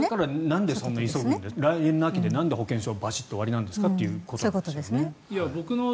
だからなんでそんなに急ぐのか来年秋に保険証バシッと終わりなんですかということです。